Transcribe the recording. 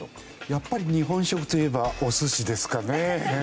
やっぱり日本食といえばお寿司ですかね。